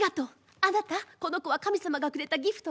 あなたこの子は神様がくれたギフトよ。